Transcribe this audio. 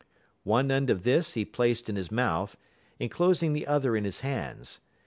One end of this he placed in his mouth, enclosing the other in his hands.